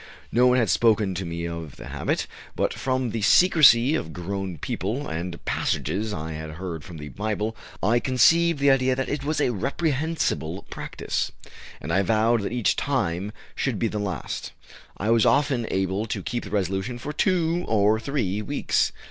No one had spoken to me of the habit, but from the secrecy of grown people, and passages I had heard from the Bible, I conceived the idea that it was a reprehensible practice. And, while this did not curb my desire, it taught me self control, and I vowed that each time should be the last. I was often able to keep the resolution for two or three weeks."